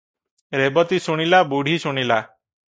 ରେବତୀ ଶୁଣିଲା, ବୁଢ଼ୀ ଶୁଣିଲା ।